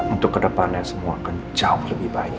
untuk kedepannya semua akan jauh lebih baik